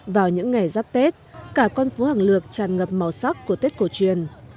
vào những ngày giáp tết cả con phố hàng lược tràn ngập màu sắc của tết cổ truyền